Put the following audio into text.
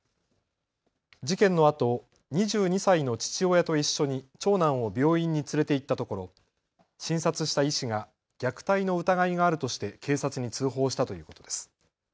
事件のあと２２歳の父親と一緒に長男を病院に連れて行ったところ、診察した医師が虐待の疑いがあるとして警察に通報したということです。